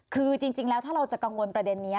คือจริงแล้วถ้าเราจะกังวลประเด็นนี้